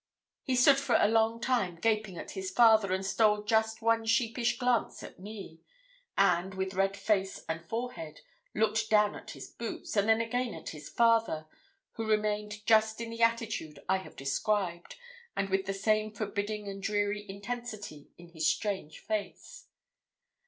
He stood for a long time gaping at his father, and stole just one sheepish glance at me; and, with red face and forehead, looked down at his boots, and then again at his father, who remained just in the attitude I have described, and with the same forbidding and dreary intensity in his strange face.